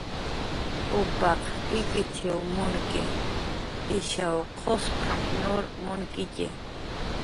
Upaq ikichw munki, ishaw qusp nur munkitxi